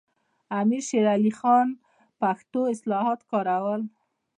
امیر شیر علي خان پښتو اصطلاحات کارول.